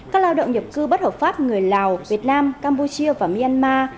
các lao động nhập cư bất hợp pháp người lào việt nam campuchia và myanmar